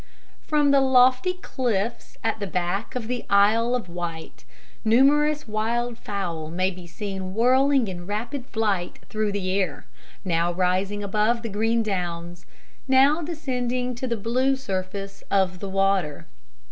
From the lofty cliffs at the back of the Isle of Wight, numerous wild fowl may be seen whirling in rapid flight through the air, now rising above the green downs, now descending to the blue surface of the water.